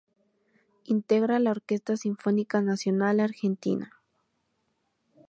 Integra la Orquesta Sinfónica Nacional Argentina.